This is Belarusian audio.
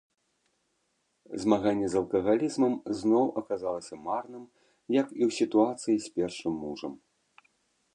Змаганне з алкагалізмам зноў аказалася марным, як і ў сітуацыі з першым мужам.